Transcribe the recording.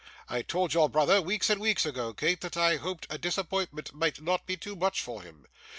I told your brother, weeks and weeks ago, Kate, that I hoped a disappointment might not be too much for him.